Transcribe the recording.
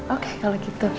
oke kalau gitu